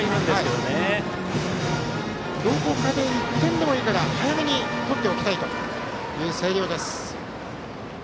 どこかで１点でもいいから早めに取っておきたいという星稜。